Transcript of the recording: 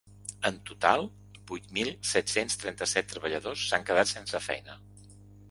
En total vuit mil set-cents trenta-set treballadors s’han quedat sense feina.